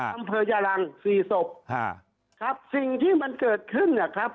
อำเภอยารังสี่ศพฮะครับสิ่งที่มันเกิดขึ้นเนี่ยครับ